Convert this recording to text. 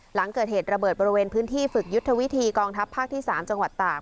หลังเกิดเหตุระเบิดบริเวณพื้นที่ฝึกยุทธวิธีกองทัพภาคที่๓จังหวัดตาก